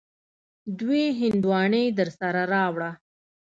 دوې هندواڼی درسره راوړه.